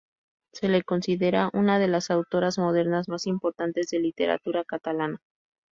Se le considera una de las autoras modernas más importantes de literatura catalana.